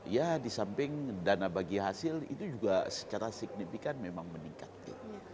ya di samping dana bagi hasil itu juga secara signifikan memang meningkat ya